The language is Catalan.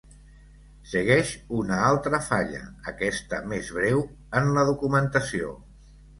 Segueix una altra falla, aquesta més breu, en la documentació.